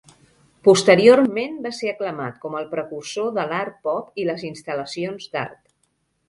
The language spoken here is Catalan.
Posteriorment va ser aclamat com el precursor de l"art pop i les instal·lacions d"art.